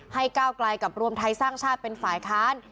ก้าวไกลกับรวมไทยสร้างชาติเป็นฝ่ายค้าน